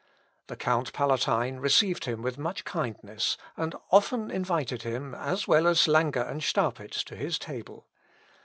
The Count Palatine received him with much kindness, and often invited him, as well as Lange and Staupitz, to his table.